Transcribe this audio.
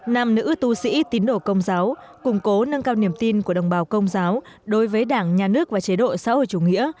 nam nữ tu sĩ tín đổ công giáo củng cố nâng cao niềm tin của đồng bào công giáo đối với đảng nhà nước và chế độ xã hội chủ nghĩa